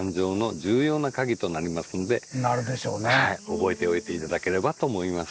覚えておいて頂ければと思います。